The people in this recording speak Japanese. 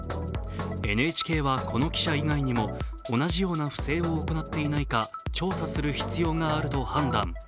ＮＨＫはこの記者以外にも同じような不正を行っていないか調査する必要があると判断。